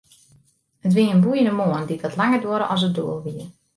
It wie in boeiende moarn, dy't wat langer duorre as it doel wie.